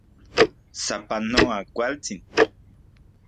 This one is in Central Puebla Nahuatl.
¡Sapanoa kualtsin!